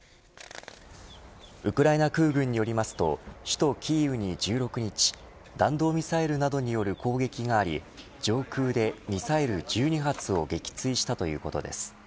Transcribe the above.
ウクライナ空軍によりますと首都キーウに１６日弾道ミサイルなどによる攻撃があり上空でミサイル１２発を撃墜したということです。